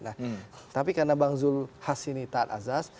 nah tapi karena bang zul has ini taat azaz